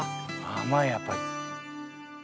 甘いやっぱり。